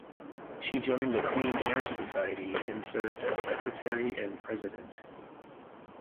She joined the Clean Air Society and served as secretary and president.